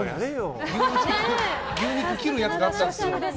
牛肉切るやつがあったんです。